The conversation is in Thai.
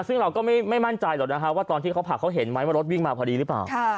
ซึ่งเราก็ไม่มั่นใจหรอกนะฮะว่าตอนที่เขาผลักเขาเห็นไหมว่ารถวิ่งมาพอดีหรือเปล่า